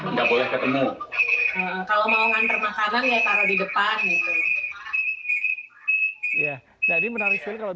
nggak boleh ketemu kalau mau ngantar makanan ya kalau di depan itu ya jadi menarik kalau